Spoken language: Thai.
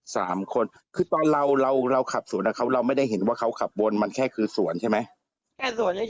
สามคนคือตอนเราเราขับสวนกับเขาเราไม่ได้เห็นว่าเขาขับวนมันแค่คือสวนใช่ไหมแค่สวนเฉย